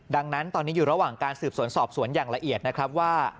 ดังนั้นตอนนี้อยู่ระหว่างการสืบสวนสอบสวนอย่างละเอียดนะครับว่า